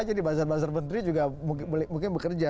bukan ini buzzer buzzer menteri juga mungkin bekerja